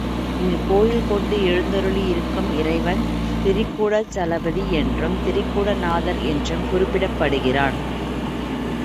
இங்குக் கோயில்கொண்டு எழுந்தருளியிருக்கும் இறைவன் திரிகூடாசலபதி என்றும், திரிகூட நாதர் என்றும் குறிப்பிடப்படுகிறான்.